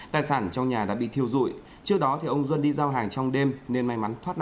tài sản trong nhà đã bị thiêu dụi trước đó ông duân đi giao hàng trong đêm nên may mắn thoát nạn